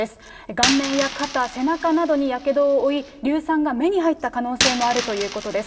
顔面や肩、背中などにやけどを負い、硫酸が目に入った可能性もあるということです。